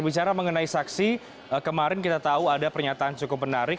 bicara mengenai saksi kemarin kita tahu ada pernyataan cukup menarik